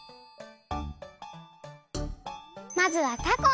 まずはたこ！